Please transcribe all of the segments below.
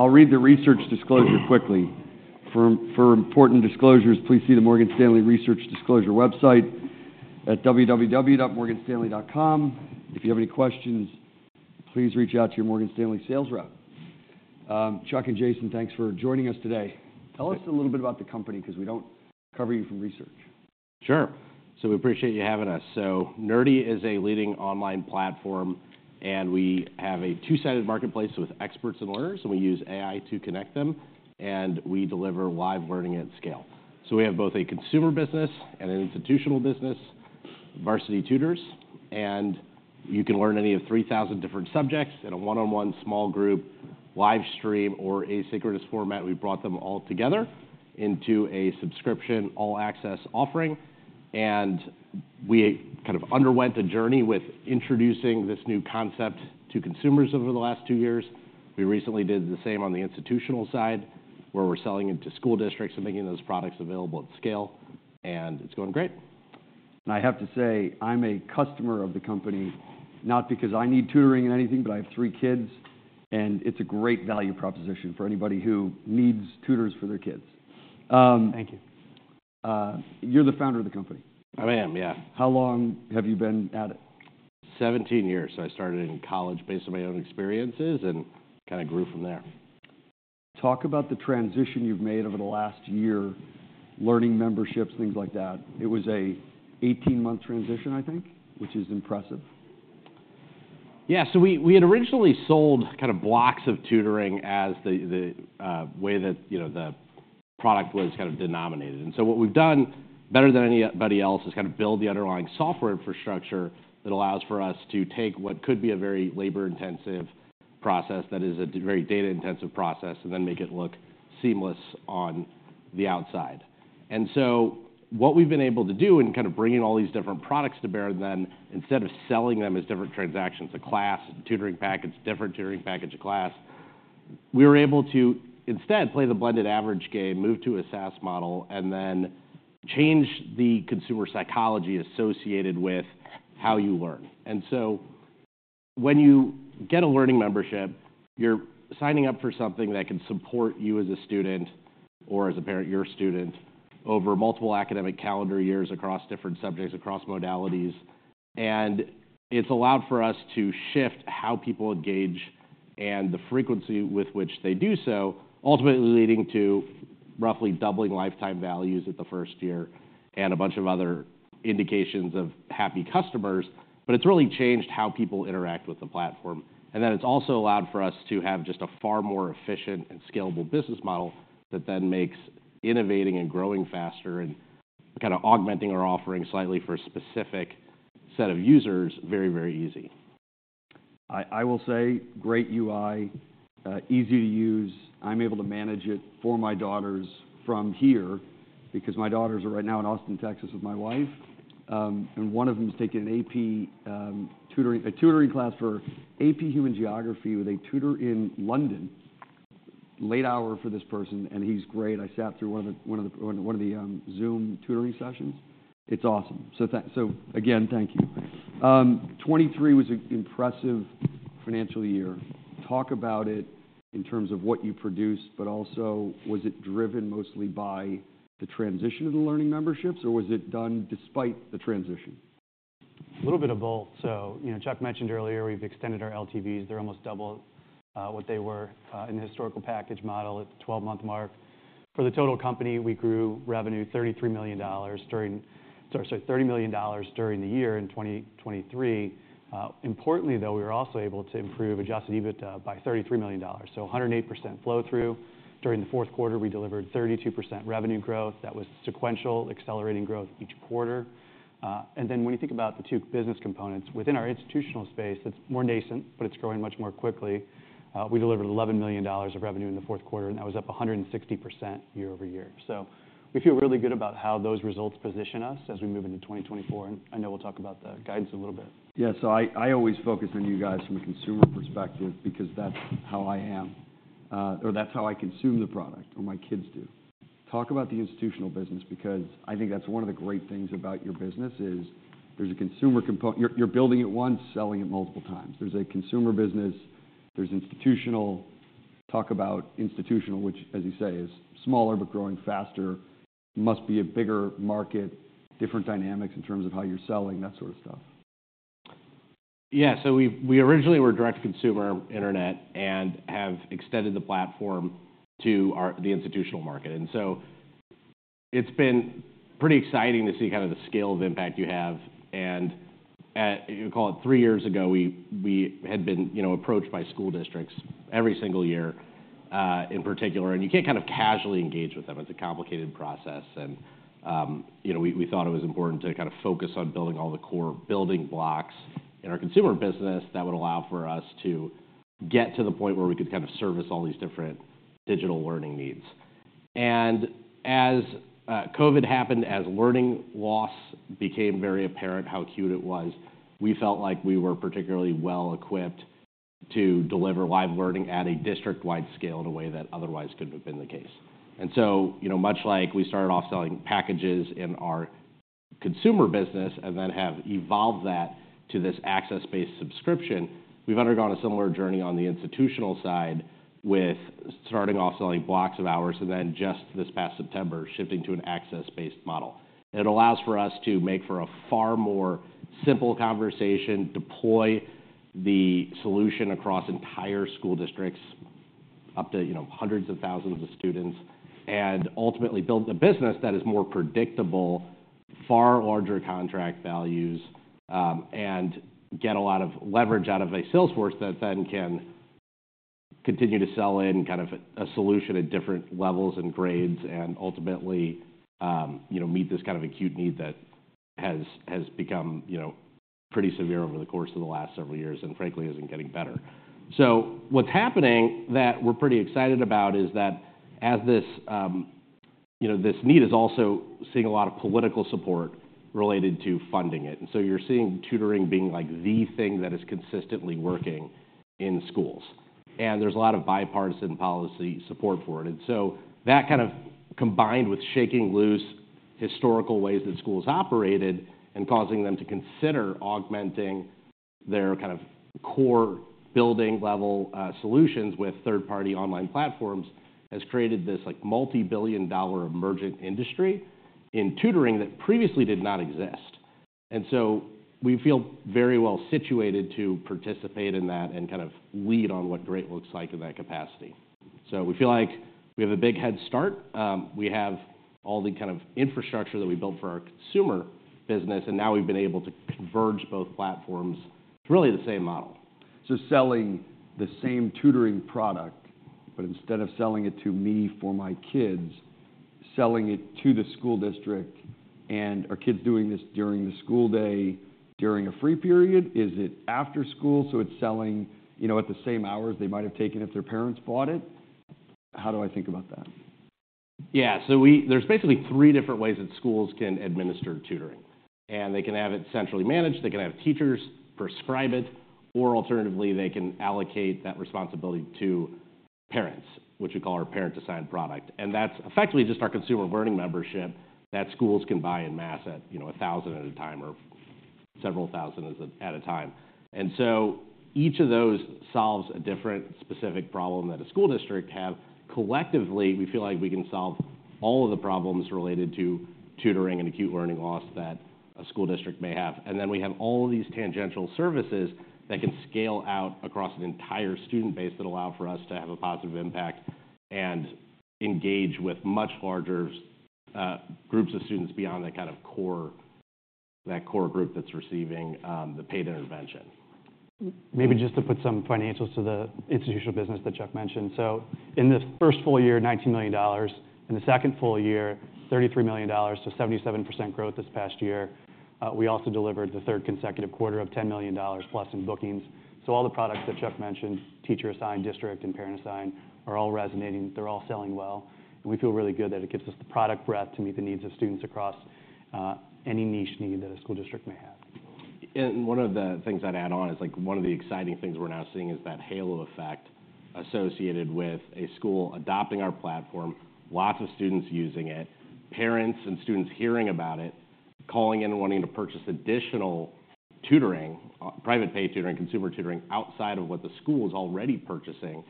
I'll read the research disclosure quickly. For important disclosures, please see the Morgan Stanley research disclosure website at www.morganstanley.com. If you have any questions, please reach out to your Morgan Stanley sales rep. Chuck and Jason, thanks for joining us today. Tell us a little bit about the company because we don't cover you from research. Sure. So we appreciate you having us. So Nerdy is a leading online platform, and we have a two-sided marketplace with experts and learners, and we use AI to connect them, and we deliver live learning at scale. So we have both a consumer business and an institutional business, Varsity Tutors, and you can learn any of 3,000 different subjects in a one-on-one small group live stream or asynchronous format. We brought them all together into a subscription all-access offering, and we kind of underwent a journey with introducing this new concept to consumers over the last two years. We recently did the same on the institutional side where we're selling it to school districts and making those products available at scale, and it's going great. I have to say I'm a customer of the company not because I need tutoring and anything, but I have three kids, and it's a great value proposition for anybody who needs tutors for their kids. Thank you. You're the founder of the company? I am, yeah. How long have you been at it? 17 years. I started in college based on my own experiences and kind of grew from there. Talk about the transition you've made over the last year, Learning Memberships, things like that? It was an 18-month transition, I think, which is impressive. Yeah. So we had originally sold kind of blocks of tutoring as the way that the product was kind of denominated. And so what we've done, better than anybody else, is kind of build the underlying software infrastructure that allows for us to take what could be a very labor-intensive process that is a very data-intensive process and then make it look seamless on the outside. And so what we've been able to do in kind of bringing all these different products to bear then, instead of selling them as different transactions, a class, tutoring package, different tutoring package, a class, we were able to instead play the blended average game, move to a SaaS model, and then change the consumer psychology associated with how you learn. And so when you get a learning membership, you're signing up for something that can support you as a student or as a parent, your student, over multiple academic calendar years across different subjects, across modalities. It's allowed for us to shift how people engage and the frequency with which they do so, ultimately leading to roughly doubling lifetime values at the first year and a bunch of other indications of happy customers. But it's really changed how people interact with the platform. It's also allowed for us to have just a far more efficient and scalable business model that then makes innovating and growing faster and kind of augmenting our offering slightly for a specific set of users very, very easy. I will say great UI, easy to use. I'm able to manage it for my daughters from here because my daughters are right now in Austin, Texas, with my wife. And one of them is taking an AP tutoring class for AP Human Geography with a tutor in London. Late hour for this person, and he's great. I sat through one of the Zoom tutoring sessions. It's awesome. So again, thank you. 2023 was an impressive financial year. Talk about it in terms of what you produced, but also was it driven mostly by the transition of the Learning Memberships, or was it done despite the transition? A little bit of both. So Chuck mentioned earlier we've extended our LTVs. They're almost double what they were in the historical package model at the 12-month mark. For the total company, we grew revenue $33 million during, sorry, $30 million during the year in 2023. Importantly, though, we were also able to improve Adjusted EBITDA by $33 million, so 108% flow-through. During the fourth quarter, we delivered 32% revenue growth. That was sequential accelerating growth each quarter. And then when you think about the two business components, within our institutional space, it's more nascent, but it's growing much more quickly. We delivered $11 million of revenue in the fourth quarter, and that was up 160% year-over-year. So we feel really good about how those results position us as we move into 2024. And I know we'll talk about the guidance a little bit. Yeah. So I always focus on you guys from a consumer perspective because that's how I am, or that's how I consume the product, or my kids do. Talk about the institutional business because I think that's one of the great things about your business is there's a consumer component. You're building it once, selling it multiple times. There's a consumer business. There's institutional. Talk about institutional, which, as you say, is smaller but growing faster, must be a bigger market, different dynamics in terms of how you're selling, that sort of stuff. Yeah. So we originally were direct-to-consumer internet and have extended the platform to the institutional market. So it's been pretty exciting to see kind of the scale of impact you have. And you call it three years ago, we had been approached by school districts every single year in particular. And you can't kind of casually engage with them. It's a complicated process. And we thought it was important to kind of focus on building all the core building blocks in our consumer business that would allow for us to get to the point where we could kind of service all these different digital learning needs. And as COVID happened, as learning loss became very apparent, how acute it was, we felt like we were particularly well-equipped to deliver live learning at a district-wide scale in a way that otherwise couldn't have been the case. And so much like we started off selling packages in our consumer business and then have evolved that to this access-based subscription, we've undergone a similar journey on the institutional side with starting off selling blocks of hours and then just this past September shifting to an access-based model. It allows for us to make for a far more simple conversation, deploy the solution across entire school districts up to hundreds of thousands of students, and ultimately build a business that is more predictable, far larger contract values, and get a lot of leverage out of a sales force that then can continue to sell in kind of a solution at different levels and grades and ultimately meet this kind of acute need that has become pretty severe over the course of the last several years and, frankly, isn't getting better. So what's happening that we're pretty excited about is that as this need is also seeing a lot of political support related to funding it. And so you're seeing tutoring being the thing that is consistently working in schools. And there's a lot of bipartisan policy support for it. And so that kind of combined with shaking loose historical ways that schools operated and causing them to consider augmenting their kind of core building-level solutions with third-party online platforms has created this multibillion-dollar emergent industry in tutoring that previously did not exist. And so we feel very well situated to participate in that and kind of lead on what great looks like in that capacity. So we feel like we have a big head start. We have all the kind of infrastructure that we built for our consumer business, and now we've been able to converge both platforms to really the same model. So selling the same tutoring product, but instead of selling it to me for my kids, selling it to the school district, and are kids doing this during the school day, during a free period? Is it after school? So it's selling at the same hours they might have taken if their parents bought it. How do I think about that? Yeah. So there's basically three different ways that schools can administer tutoring. They can have it centrally managed. They can have teachers prescribe it. Or alternatively, they can allocate that responsibility to parents, which we call our Parent-Assigned product. That's effectively just our consumer Learning Membership that schools can buy in mass at 1,000 at a time or several thousand at a time. So each of those solves a different specific problem that a school district have. Collectively, we feel like we can solve all of the problems related to tutoring and acute learning loss that a school district may have. Then we have all of these tangential services that can scale out across an entire student base that allow for us to have a positive impact and engage with much larger groups of students beyond that kind of core group that's receiving the paid intervention. Maybe just to put some financials to the institutional business that Chuck mentioned. In the first full year, $19 million. In the second full year, $33 million, so 77% growth this past year. We also delivered the third consecutive quarter of $10 million+ in bookings. All the products that Chuck mentioned, Teacher-Assigned, district, and Parent-Assigned, are all resonating. They're all selling well. We feel really good that it gives us the product breadth to meet the needs of students across any niche need that a school district may have. One of the things I'd add on is one of the exciting things we're now seeing is that halo effect associated with a school adopting our platform, lots of students using it, parents and students hearing about it, calling in and wanting to purchase additional tutoring, private paid tutoring, consumer tutoring outside of what the school is already purchasing.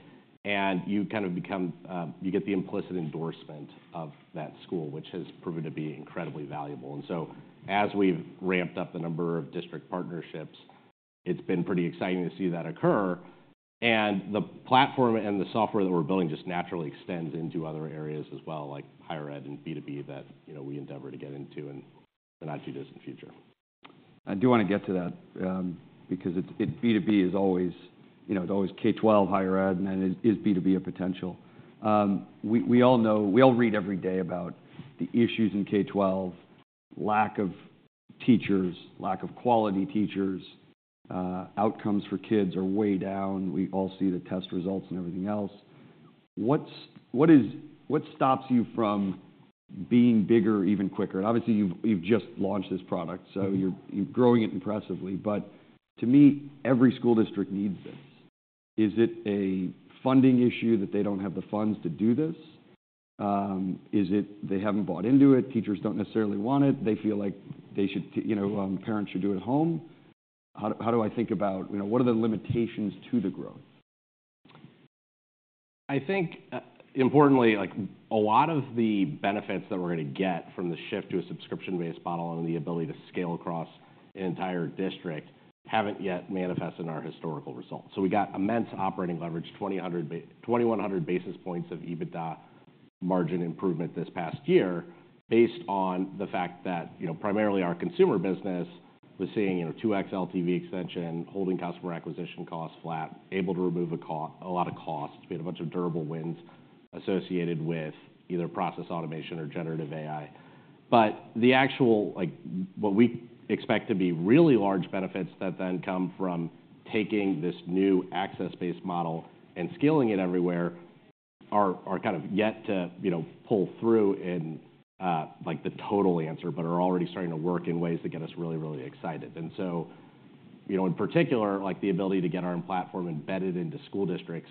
You kind of become, you get the implicit endorsement of that school, which has proven to be incredibly valuable. So as we've ramped up the number of district partnerships, it's been pretty exciting to see that occur. The platform and the software that we're building just naturally extends into other areas as well, like higher ed and B2B that we endeavor to get into in the not-too-distant future. I do want to get to that because B2B is always, it's always K-12 higher ed, and then is B2B a potential? We all read every day about the issues in K-12, lack of teachers, lack of quality teachers. Outcomes for kids are way down. We all see the test results and everything else. What stops you from being bigger even quicker? Obviously, you've just launched this product, so you're growing it impressively. To me, every school district needs this. Is it a funding issue that they don't have the funds to do this? Is it they haven't bought into it? Teachers don't necessarily want it. They feel like parents should do it at home. How do I think about what are the limitations to the growth? I think, importantly, a lot of the benefits that we're going to get from the shift to a subscription-based model and the ability to scale across an entire district haven't yet manifested in our historical results. So we got immense operating leverage, 2,100 basis points of EBITDA margin improvement this past year based on the fact that primarily our consumer business was seeing 2x LTV extension, holding customer acquisition costs flat, able to remove a lot of costs. We had a bunch of durable wins associated with either process automation or generative AI. But what we expect to be really large benefits that then come from taking this new access-based model and scaling it everywhere are kind of yet to pull through in the total answer, but are already starting to work in ways that get us really, really excited. So in particular, the ability to get our platform embedded into school districts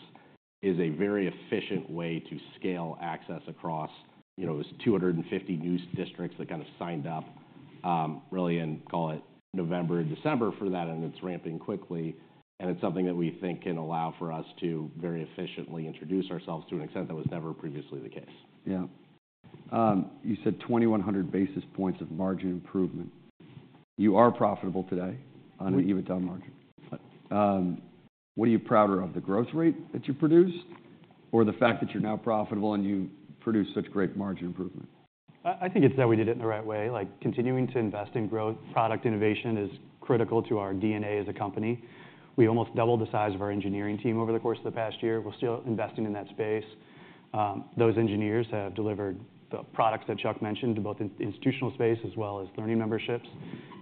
is a very efficient way to scale access across those 250 new districts that kind of signed up, really, and call it November and December for that. It's ramping quickly. It's something that we think can allow for us to very efficiently introduce ourselves to an extent that was never previously the case. Yeah. You said 2,100 basis points of margin improvement. You are profitable today on an EBITDA margin. What are you prouder of, the growth rate that you produced, or the fact that you're now profitable and you produce such great margin improvement? I think it's that we did it in the right way. Continuing to invest in growth, product innovation is critical to our DNA as a company. We almost doubled the size of our engineering team over the course of the past year. We're still investing in that space. Those engineers have delivered the products that Chuck mentioned to both the institutional space as well as Learning Memberships.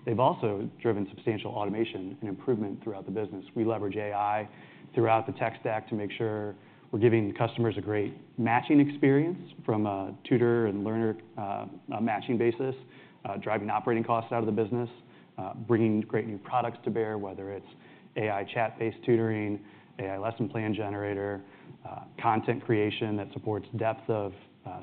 They've also driven substantial automation and improvement throughout the business. We leverage AI throughout the tech stack to make sure we're giving customers a great matching experience from a tutor and learner matching basis, driving operating costs out of the business, bringing great new products to bear, whether it's AI chat-based tutoring, AI lesson plan generator, content creation that supports depth of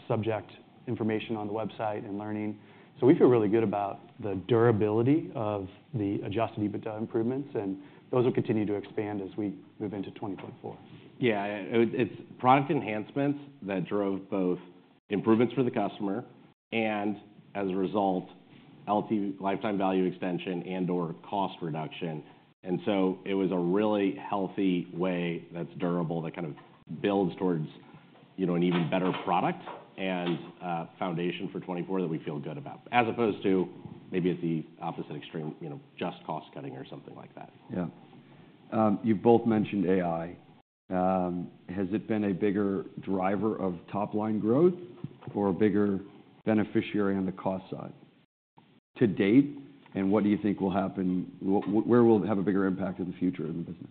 subject information on the website and learning. So we feel really good about the durability of the Adjusted EBITDA improvements. Those will continue to expand as we move into 2024. Yeah. It's product enhancements that drove both improvements for the customer and, as a result, lifetime value extension and/or cost reduction. And so it was a really healthy way that's durable that kind of builds towards an even better product and foundation for 2024 that we feel good about, as opposed to maybe at the opposite extreme, just cost-cutting or something like that. Yeah. You've both mentioned AI. Has it been a bigger driver of top-line growth or a bigger beneficiary on the cost side to date? And what do you think will happen where will it have a bigger impact in the future in the business?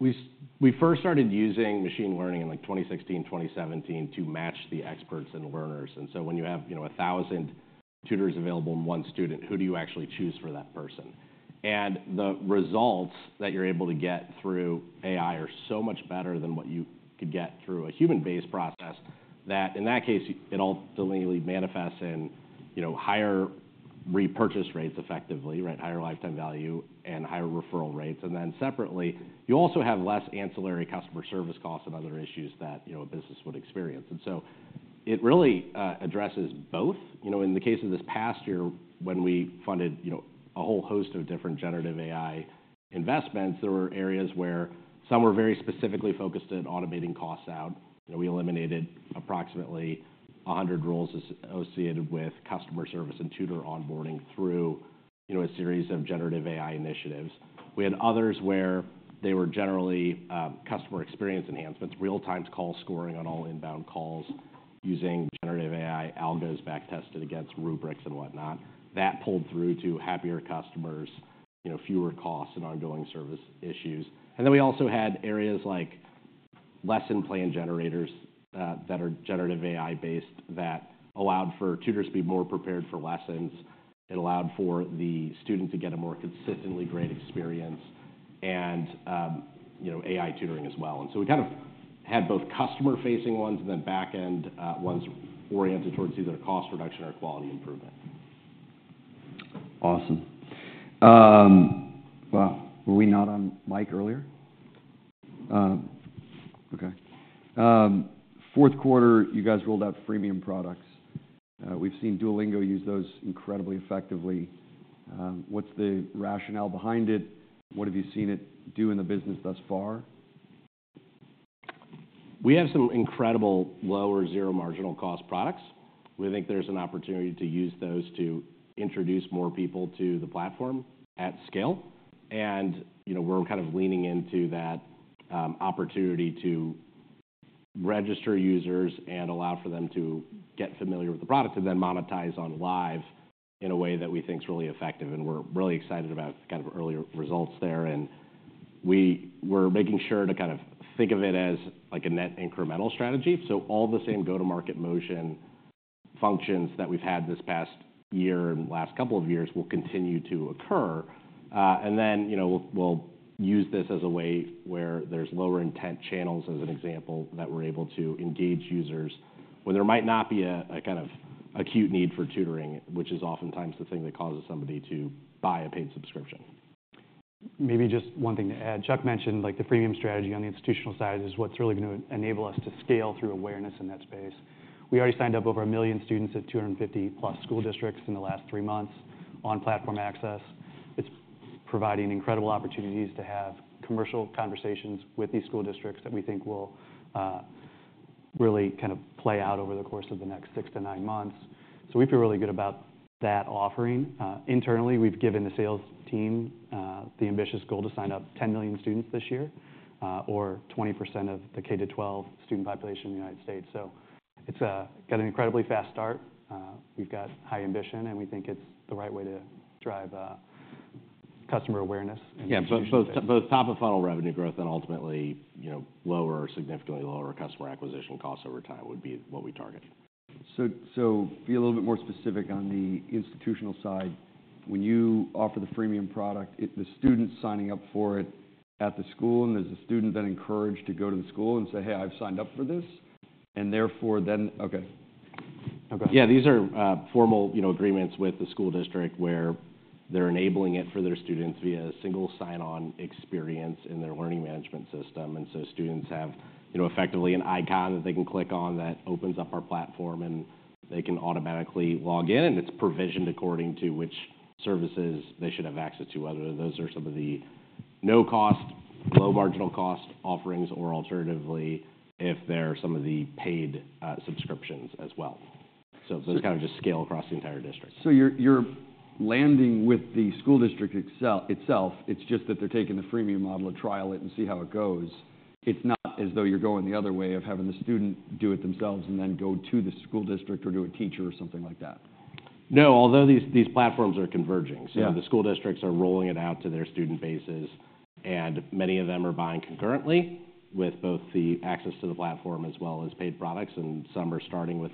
We first started using machine learning in 2016, 2017 to match the experts and learners. And so when you have 1,000 tutors available and one student, who do you actually choose for that person? And the results that you're able to get through AI are so much better than what you could get through a human-based process that, in that case, it all deliberately manifests in higher repurchase rates effectively, higher lifetime value, and higher referral rates. And then separately, you also have less ancillary customer service costs and other issues that a business would experience. And so it really addresses both. In the case of this past year, when we funded a whole host of different generative AI investments, there were areas where some were very specifically focused at automating costs out. We eliminated approximately 100 roles associated with customer service and tutor onboarding through a series of generative AI initiatives. We had others where they were generally customer experience enhancements, real-time call scoring on all inbound calls using generative AI algos backtested against rubrics and whatnot. That pulled through to happier customers, fewer costs, and ongoing service issues. And then we also had areas like lesson plan generators that are generative AI-based that allowed for tutors to be more prepared for lessons. It allowed for the student to get a more consistently great experience and AI tutoring as well. And so we kind of had both customer-facing ones and then back-end ones oriented towards either cost reduction or quality improvement. Awesome. Wow. Were we not on mic earlier? Okay. Fourth quarter, you guys rolled out freemium products. We've seen Duolingo use those incredibly effectively. What's the rationale behind it? What have you seen it do in the business thus far? We have some incredible lower zero-marginal cost products. We think there's an opportunity to use those to introduce more people to the platform at scale. And we're kind of leaning into that opportunity to register users and allow for them to get familiar with the product to then monetize on live in a way that we think is really effective. And we're really excited about kind of earlier results there. And we're making sure to kind of think of it as a net incremental strategy. So all the same go-to-market motion functions that we've had this past year and last couple of years will continue to occur. And then we'll use this as a way where there's lower-intent channels, as an example, that we're able to engage users when there might not be a kind of acute need for tutoring, which is oftentimes the thing that causes somebody to buy a paid subscription. Maybe just one thing to add. Chuck mentioned the freemium strategy on the institutional side is what's really going to enable us to scale through awareness in that space. We already signed up over 1 million students at 250+ school districts in the last three months on platform access. It's providing incredible opportunities to have commercial conversations with these school districts that we think will really kind of play out over the course of the next six to nine months. So we feel really good about that offering. Internally, we've given the sales team the ambitious goal to sign up 10 million students this year or 20% of the K-12 student population in the United States. So it's got an incredibly fast start. We've got high ambition, and we think it's the right way to drive customer awareness and. Yeah. Both top-of-funnel revenue growth and ultimately significantly lower customer acquisition costs over time would be what we target. Be a little bit more specific on the institutional side. When you offer the freemium product, the student is signing up for it at the school, and then the student is encouraged to go to the school and say, "Hey, I've signed up for this." Therefore then okay. Go ahead. Yeah. These are formal agreements with the school district where they're enabling it for their students via a single sign-on experience in their learning management system. And so students have effectively an icon that they can click on that opens up our platform, and they can automatically log in. And it's provisioned according to which services they should have access to, whether those are some of the no-cost, low-marginal cost offerings, or alternatively, if there are some of the paid subscriptions as well. So those kind of just scale across the entire district. So you're landing with the school district itself. It's just that they're taking the Freemium model, try it, and see how it goes. It's not as though you're going the other way of having the student do it themselves and then go to the school district or to a teacher or something like that. No. Although these platforms are converging, so the school districts are rolling it out to their student bases. Many of them are buying concurrently with both the access to the platform as well as paid products. Some are starting with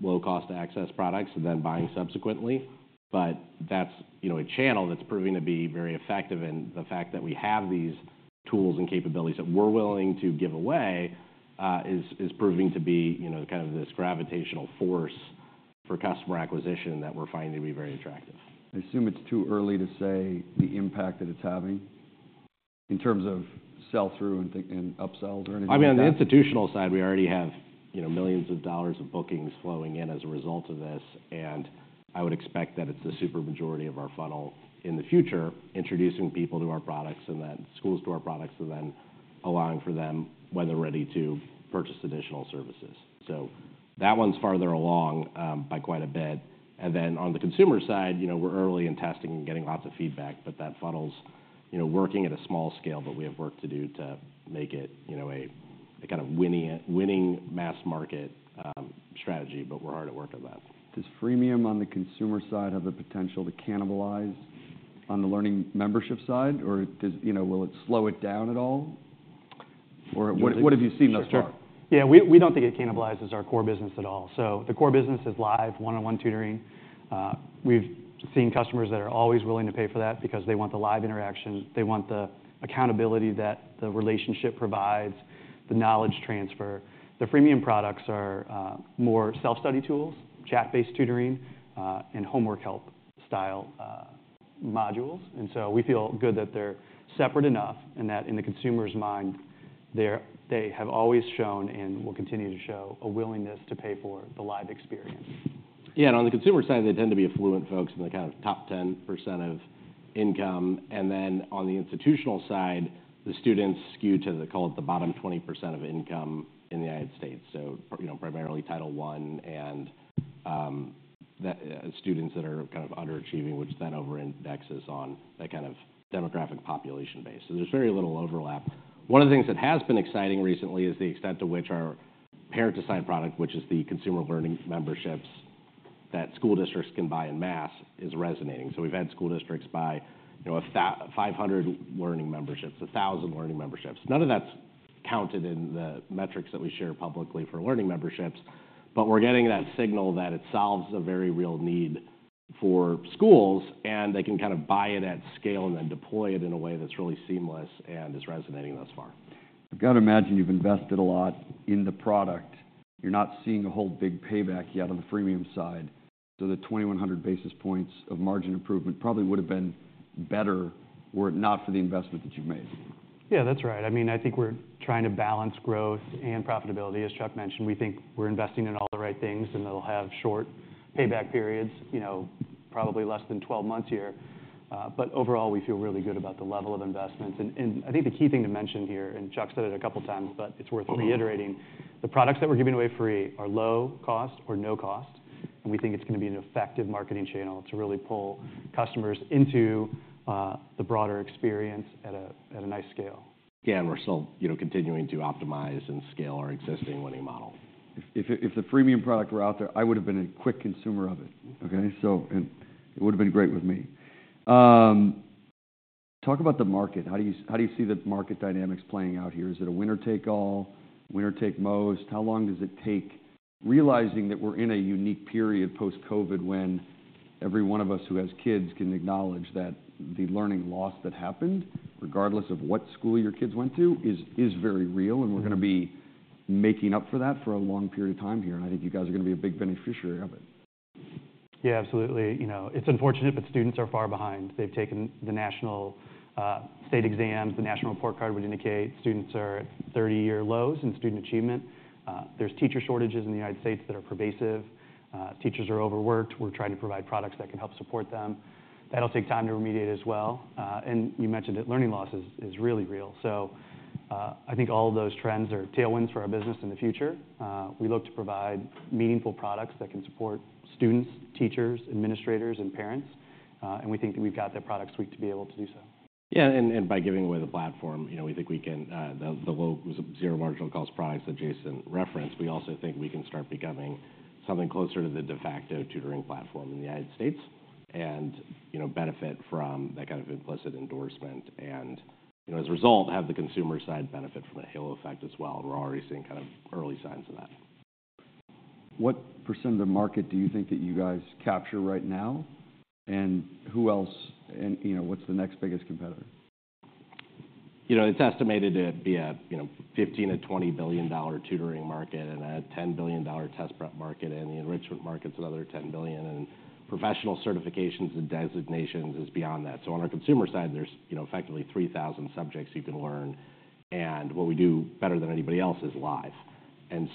low-cost access products and then buying subsequently. That's a channel that's proving to be very effective. The fact that we have these tools and capabilities that we're willing to give away is proving to be kind of this gravitational force for customer acquisition that we're finding to be very attractive. I assume it's too early to say the impact that it's having in terms of sell-through and upsells or anything like that. I mean, on the institutional side, we already have millions of dollars of bookings flowing in as a result of this. And I would expect that it's the super majority of our funnel in the future, introducing people to our products and then schools to our products and then allowing for them when they're ready to purchase additional services. So that one's farther along by quite a bit. And then on the consumer side, we're early in testing and getting lots of feedback. But that funnel's working at a small scale, but we have work to do to make it a kind of winning mass market strategy. But we're hard at work on that. Does freemium on the consumer side have the potential to cannibalize on the learning membership side? Or will it slow it down at all? Or what have you seen thus far? Yeah. We don't think it cannibalizes our core business at all. So the core business is live one-on-one tutoring. We've seen customers that are always willing to pay for that because they want the live interaction. They want the accountability that the relationship provides, the knowledge transfer. The freemium products are more self-study tools, chat-based tutoring, and homework help-style modules. And so we feel good that they're separate enough and that, in the consumer's mind, they have always shown and will continue to show a willingness to pay for the live experience. Yeah. And on the consumer side, they tend to be affluent folks in the kind of top 10% of income. And then on the institutional side, the students skew to, call it, the bottom 20% of income in the United States, so primarily Title I and students that are kind of underachieving, which then over-indexes on that kind of demographic population base. So there's very little overlap. One of the things that has been exciting recently is the extent to which our Parent Assigned product, which is the consumer Learning Memberships that school districts can buy en masse, is resonating. So we've had school districts buy 500 Learning Memberships, 1,000 Learning Memberships. None of that's counted in the metrics that we share publicly for Learning Memberships. We're getting that signal that it solves a very real need for schools, and they can kind of buy it at scale and then deploy it in a way that's really seamless and is resonating thus far. I've got to imagine you've invested a lot in the product. You're not seeing a whole big payback yet on the freemium side. So the 2,100 basis points of margin improvement probably would have been better were it not for the investment that you've made. Yeah. That's right. I mean, I think we're trying to balance growth and profitability, as Chuck mentioned. We think we're investing in all the right things, and they'll have short payback periods, probably less than 12 months here. But overall, we feel really good about the level of investments. And I think the key thing to mention here and Chuck said it a couple of times, but it's worth reiterating. The products that we're giving away free are low-cost or no-cost. And we think it's going to be an effective marketing channel to really pull customers into the broader experience at a nice scale. Yeah. We're still continuing to optimize and scale our existing learning model. If the freemium product were out there, I would have been a quick consumer of it, okay? It would have been great with me. Talk about the market. How do you see the market dynamics playing out here? Is it a winner-take-all, winner-take-most? How long does it take realizing that we're in a unique period post-COVID when every one of us who has kids can acknowledge that the learning loss that happened, regardless of what school your kids went to, is very real? We're going to be making up for that for a long period of time here. I think you guys are going to be a big beneficiary of it. Yeah. Absolutely. It's unfortunate, but students are far behind. They've taken the national state exams. The National Report Card would indicate students are at 30-year lows in student achievement. There's teacher shortages in the United States that are pervasive. Teachers are overworked. We're trying to provide products that can help support them. That'll take time to remediate as well. And you mentioned that learning loss is really real. So I think all of those trends are tailwinds for our business in the future. We look to provide meaningful products that can support students, teachers, administrators, and parents. And we think that we've got that product suite to be able to do so. Yeah. By giving away the platform, we think we can the zero-marginal cost products that Jason referenced, we also think we can start becoming something closer to the de facto tutoring platform in the United States and benefit from that kind of implicit endorsement and, as a result, have the consumer side benefit from a halo effect as well. We're already seeing kind of early signs of that. What percent of the market do you think that you guys capture right now? And who else? And what's the next biggest competitor? It's estimated to be a $15-$20 billion tutoring market and a $10 billion test prep market. The enrichment market's another $10 billion. Professional certifications and designations is beyond that. So on our consumer side, there's effectively 3,000 subjects you can learn. What we do better than anybody else is live.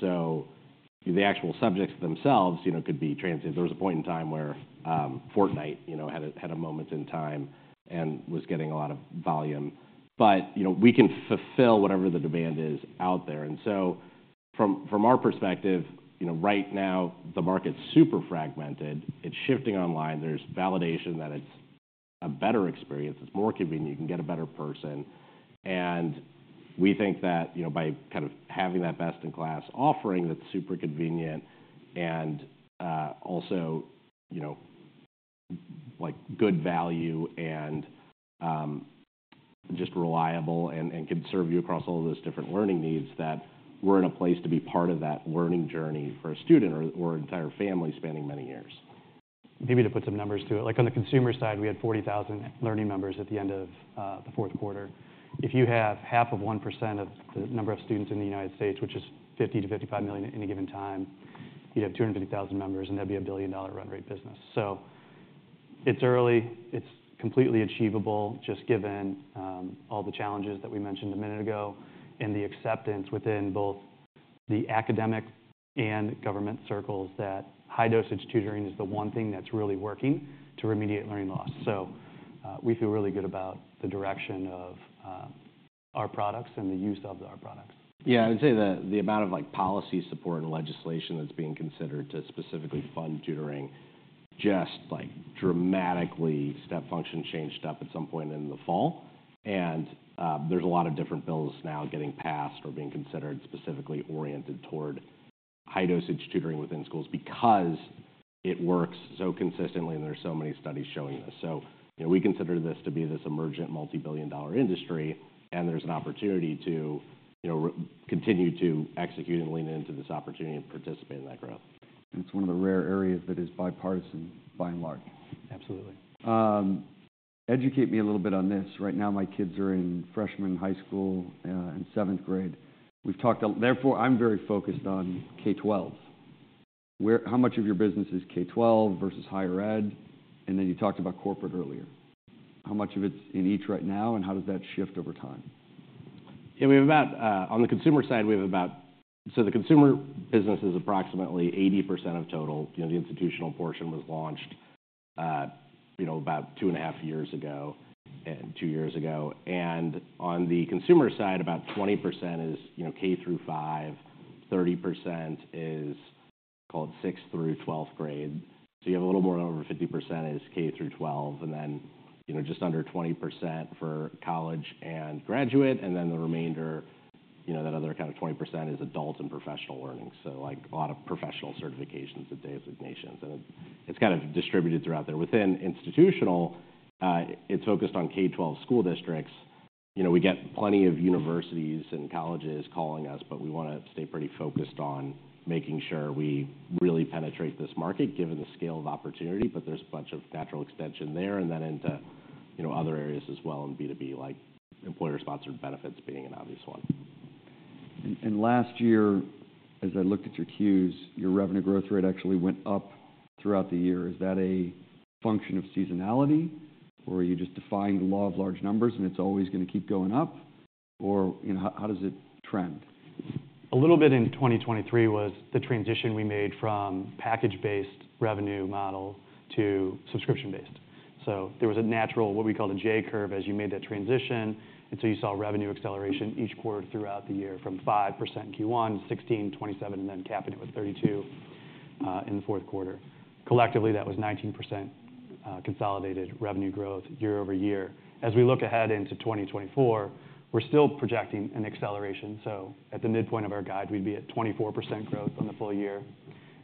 The actual subjects themselves could be translate. There was a point in time where Fortnite had a moment in time and was getting a lot of volume. But we can fulfill whatever the demand is out there. From our perspective, right now, the market's super fragmented. It's shifting online. There's validation that it's a better experience. It's more convenient. You can get a better person. We think that by kind of having that best-in-class offering that's super convenient and also good value and just reliable and can serve you across all of those different learning needs, that we're in a place to be part of that learning journey for a student or an entire family spanning many years. Maybe to put some numbers to it. On the consumer side, we had 40,000 learning members at the end of the fourth quarter. If you have 0.5% of the number of students in the United States, which is 50 million-55 million at any given time, you'd have 250,000 members, and that'd be a billion-dollar run-rate business. So it's early. It's completely achievable just given all the challenges that we mentioned a minute ago and the acceptance within both the academic and government circles that high-dosage tutoring is the one thing that's really working to remediate learning loss. So we feel really good about the direction of our products and the use of our products. Yeah. I would say the amount of policy support and legislation that's being considered to specifically fund tutoring just dramatically step function changed up at some point in the fall. There's a lot of different bills now getting passed or being considered specifically oriented toward high-dosage tutoring within schools because it works so consistently, and there's so many studies showing this. We consider this to be this emergent multi-billion-dollar industry. There's an opportunity to continue to execute and lean into this opportunity and participate in that growth. It's one of the rare areas that is bipartisan by and large. Absolutely. Educate me a little bit on this. Right now, my kids are in freshman, high school, and seventh grade. Therefore, I'm very focused on K-12. How much of your business is K-12 versus higher ed? Then you talked about corporate earlier. How much of it's in each right now? How does that shift over time? Yeah. On the consumer side, we have about so the consumer business is approximately 80% of total. The institutional portion was launched about two and a half years ago and two years ago. On the consumer side, about 20% is K-5. 30% is, call it, sixth grade-12th grade. So you have a little more than over 50% is K-12 and then just under 20% for college and graduate. The remainder, that other kind of 20%, is adult and professional learning, so a lot of professional certifications and designations. It's kind of distributed throughout there. Within institutional, it's focused on K-12 school districts. We get plenty of universities and colleges calling us, but we want to stay pretty focused on making sure we really penetrate this market given the scale of opportunity. But there's a bunch of natural extension there and then into other areas as well in B2B, like employer-sponsored benefits being an obvious one. Last year, as I looked at your Qs, your revenue growth rate actually went up throughout the year. Is that a function of seasonality, or are you defying the law of large numbers, and it's always going to keep going up? Or how does it trend? A little bit in 2023 was the transition we made from package-based revenue model to subscription-based. So there was a natural what we called a J curve as you made that transition. And so you saw revenue acceleration each quarter throughout the year from 5% in Q1, 16%, 27%, and then capping it with 32% in the fourth quarter. Collectively, that was 19% consolidated revenue growth year-over-year. As we look ahead into 2024, we're still projecting an acceleration. So at the midpoint of our guide, we'd be at 24% growth on the full year.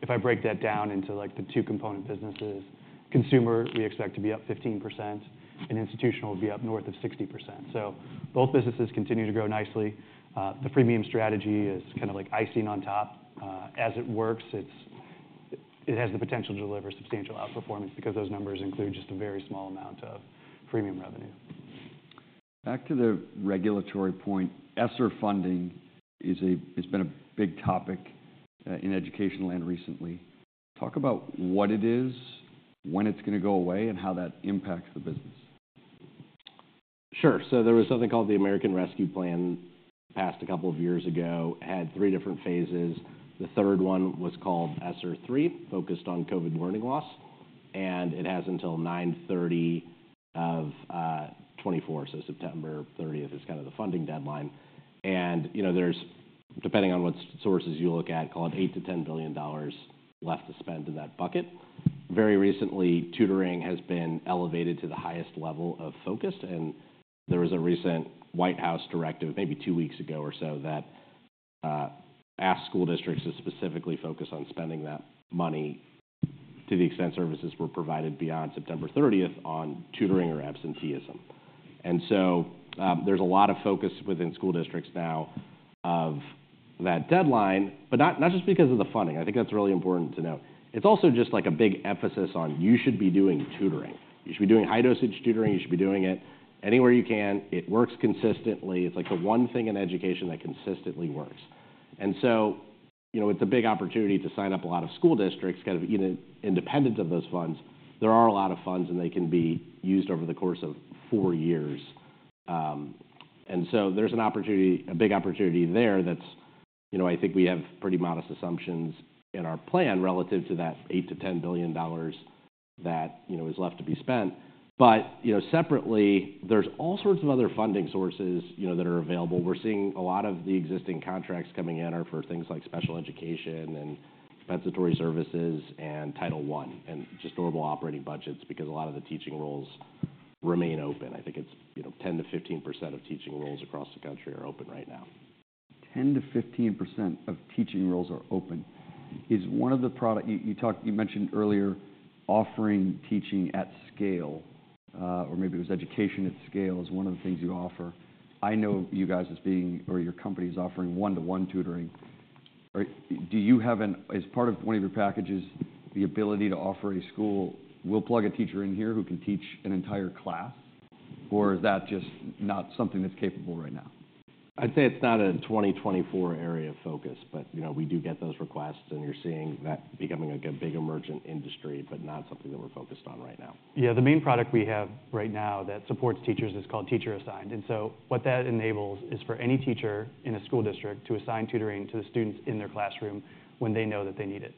If I break that down into the two component businesses, consumer, we expect to be up 15%. And institutional would be up north of 60%. So both businesses continue to grow nicely. The freemium strategy is kind of like icing on top. As it works, it has the potential to deliver substantial outperformance because those numbers include just a very small amount of freemium revenue. Back to the regulatory point, ESSER funding has been a big topic in education land recently. Talk about what it is, when it's going to go away, and how that impacts the business. Sure. So there was something called the American Rescue Plan passed a couple of years ago. It had three different phases. The third one was called ESSER 3, focused on COVID learning loss. And it has until 9/30/2024, so September 30th is kind of the funding deadline. And depending on what sources you look at, call it $8 billion-$10 billion left to spend in that bucket. Very recently, tutoring has been elevated to the highest level of focus. And there was a recent White House directive maybe two weeks ago or so that asked school districts to specifically focus on spending that money to the extent services were provided beyond September 30th on tutoring or absenteeism. And so there's a lot of focus within school districts now of that deadline, but not just because of the funding. I think that's really important to note. It's also just a big emphasis on, "You should be doing tutoring. You should be doing high-dosage tutoring. You should be doing it anywhere you can. It works consistently. It's the one thing in education that consistently works." And so it's a big opportunity to sign up a lot of school districts kind of independent of those funds. There are a lot of funds, and they can be used over the course of four years. And so there's a big opportunity there that's I think we have pretty modest assumptions in our plan relative to that $8 billion-$10 billion that is left to be spent. But separately, there's all sorts of other funding sources that are available. We're seeing a lot of the existing contracts coming in are for things like special education and compensatory services and Title I and just durable operating budgets because a lot of the teaching roles remain open. I think it's 10%-15% of teaching roles across the country are open right now. 10%-15% of teaching roles are open. Is one of the products you mentioned earlier offering teaching at scale, or maybe it was education at scale? Is one of the things you offer. I know you guys as being or your company is offering one-to-one tutoring. Do you have? Is part of one of your packages the ability to offer a school, "We'll plug a teacher in here who can teach an entire class"? Or is that just not something that's capable right now? I'd say it's not a 2024 area of focus. But we do get those requests, and you're seeing that becoming a big emergent industry but not something that we're focused on right now. Yeah. The main product we have right now that supports teachers is called Teacher Assigned. And so what that enables is for any teacher in a school district to assign tutoring to the students in their classroom when they know that they need it.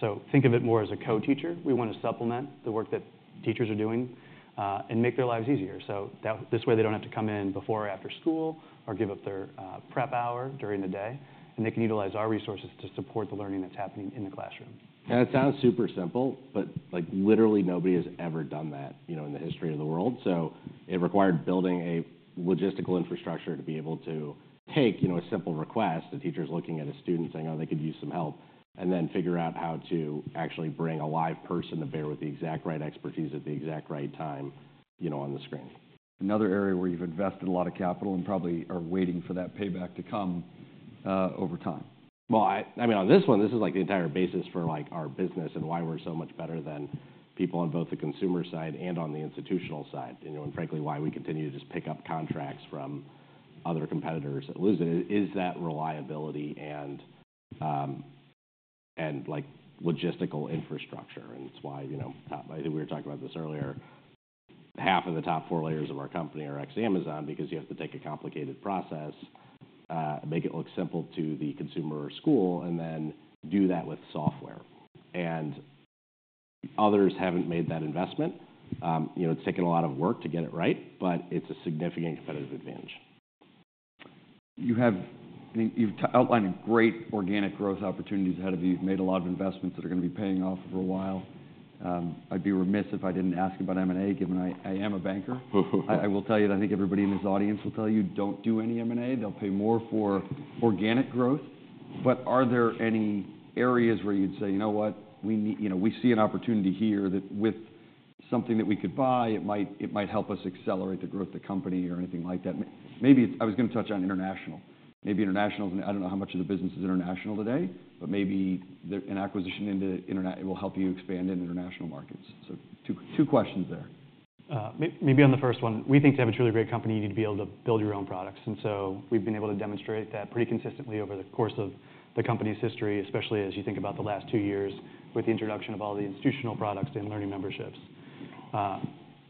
So think of it more as a co-teacher. We want to supplement the work that teachers are doing and make their lives easier. So this way, they don't have to come in before or after school or give up their prep hour during the day. And they can utilize our resources to support the learning that's happening in the classroom. Yeah. That sounds super simple, but literally, nobody has ever done that in the history of the world. So it required building a logistical infrastructure to be able to take a simple request, a teacher's looking at a student saying, "Oh, they could use some help," and then figure out how to actually bring a live person to bear with the exact right expertise at the exact right time on the screen. Another area where you've invested a lot of capital and probably are waiting for that payback to come over time. Well, I mean, on this one, this is the entire basis for our business and why we're so much better than people on both the consumer side and on the institutional side. And frankly, why we continue to just pick up contracts from other competitors that lose it is that reliability and logistical infrastructure. And it's why I think we were talking about this earlier. Half of the top four layers of our company are ex-Amazon because you have to take a complicated process, make it look simple to the consumer school, and then do that with software. And others haven't made that investment. It's taken a lot of work to get it right, but it's a significant competitive advantage. I mean, you've outlined great organic growth opportunities ahead of you. You've made a lot of investments that are going to be paying off over a while. I'd be remiss if I didn't ask about M&A given I am a banker. I will tell you that I think everybody in this audience will tell you, "Don't do any M&A. They'll pay more for organic growth." But are there any areas where you'd say, "You know what? We see an opportunity here that with something that we could buy, it might help us accelerate the growth of the company," or anything like that? I was going to touch on international. Maybe international is I don't know how much of the business is international today, but maybe an acquisition into it will help you expand in international markets. So two questions there. Maybe on the first one, we think to have a truly great company, you need to be able to build your own products. And so we've been able to demonstrate that pretty consistently over the course of the company's history, especially as you think about the last 2 years with the introduction of all the institutional products and learning memberships.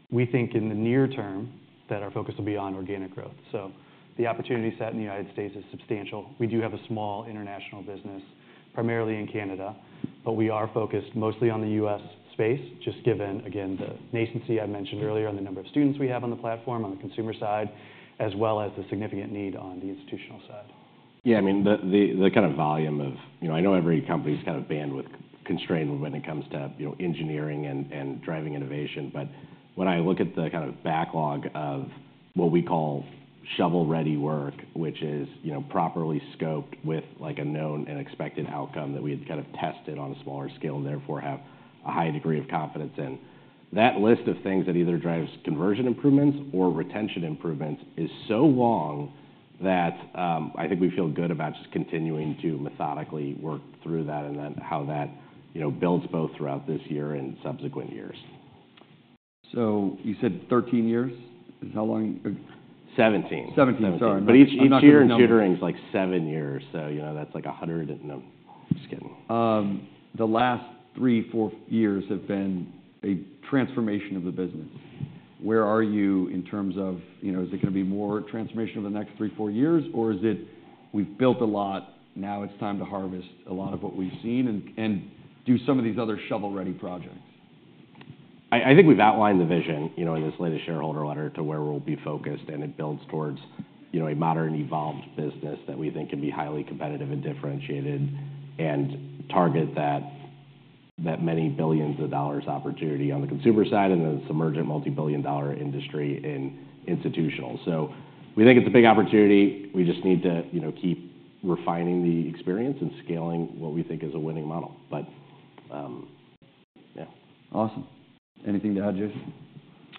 We think in the near term that our focus will be on organic growth. So the opportunity set in the United States is substantial. We do have a small international business primarily in Canada, but we are focused mostly on the U.S. space just given, again, the nascency I mentioned earlier on the number of students we have on the platform on the consumer side as well as the significant need on the institutional side. Yeah. I mean, the kind of volume of, I know, every company's kind of bandwidth constrained when it comes to engineering and driving innovation. But when I look at the kind of backlog of what we call shovel-ready work, which is properly scoped with a known and expected outcome that we had kind of tested on a smaller scale and therefore have a high degree of confidence in, that list of things that either drives conversion improvements or retention improvements is so long that I think we feel good about just continuing to methodically work through that and then how that builds both throughout this year and subsequent years. You said 13 years. Is that how long? 17. 17. Sorry. Each year in tutoring is like seven years. That's like 100 and I'm just kidding. The last three, four years have been a transformation of the business. Where are you in terms of is it going to be more transformation over the next three, four years? Or is it, "We've built a lot. Now it's time to harvest a lot of what we've seen and do some of these other shovel-ready projects"? I think we've outlined the vision in this latest shareholder letter to where we'll be focused. And it builds towards a modern, evolved business that we think can be highly competitive and differentiated and target that many billion dollars opportunity on the consumer side and this emergent multi-billion-dollar industry in institutional. So we think it's a big opportunity. We just need to keep refining the experience and scaling what we think is a winning model. But yeah. Awesome. Anything to add, Jason?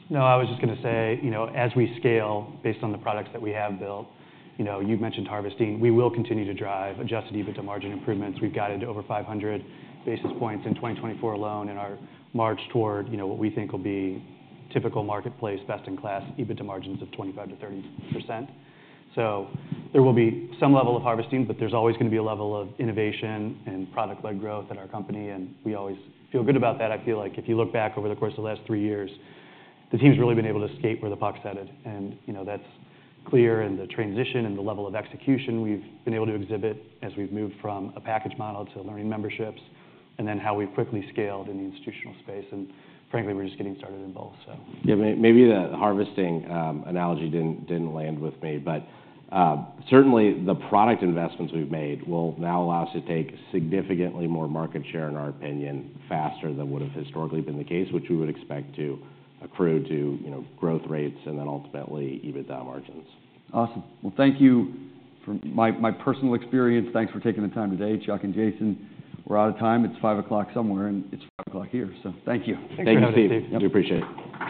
No. I was just going to say, as we scale based on the products that we have built you've mentioned harvesting. We will continue to drive Adjusted EBITDA margin improvements. We've got it to over 500 basis points in 2024 alone in our march toward what we think will be typical marketplace best-in-class EBITDA margins of 25%-30%. So there will be some level of harvesting, but there's always going to be a level of innovation and product-led growth at our company. And we always feel good about that. I feel like if you look back over the course of the last three years, the team's really been able to skate where the puck's headed. And that's clear. The transition and the level of execution we've been able to exhibit as we've moved from a package model to Learning Memberships and then how we've quickly scaled in the institutional space. Frankly, we're just getting started in both, so. Yeah. Maybe the harvesting analogy didn't land with me. But certainly, the product investments we've made will now allow us to take significantly more market share, in our opinion, faster than would have historically been the case, which we would expect to accrue to growth rates and then ultimately EBITDA margins. Awesome. Well, thank you for my personal experience. Thanks for taking the time today, Chuck and Jason. We're out of time. It's 5 o'clock somewhere, and it's 5:00 P.M. here. So thank you. Thanks, Steve. Thanks, Steve. Do appreciate it.